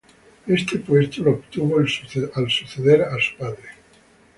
Este puesto lo obtuvo al suceder a su padre.